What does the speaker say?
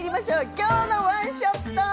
「きょうのワンショット」。